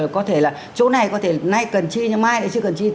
có thể là chỗ này có thể nay cần chi cho mai lại chưa cần chi